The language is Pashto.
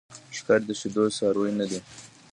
ښکاري د شیدو څاروی نه دی.